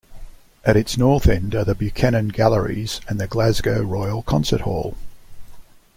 At its north end are the Buchanan Galleries and the Glasgow Royal Concert Hall.